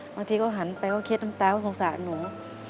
บางทีเขาหันไปเขาเคล็ดน้ำตาก็สงสารหนู